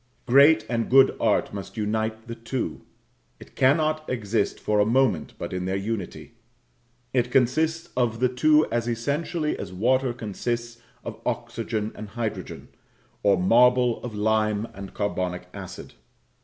Great and good art must unite the two; it cannot exist for a moment but in their unity; it consists of the two as essentially as water consists of oxygen and hydrogen, or marble of lime and carbonic acid.